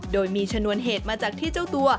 โดยมีชนวนเหตุมาจากที่เจ้าตัว